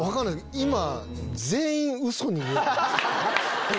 今全員ウソに見えてる。